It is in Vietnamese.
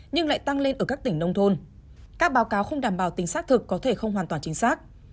nhưng lại tăng lên ở các tỉnh nông thôn các báo cáo không đảm bảo tính xác thực có thể không hoàn toàn chính xác